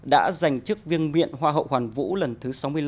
đã giành chức viêng miệng hoa hậu hoàn vũ lần thứ sáu mươi năm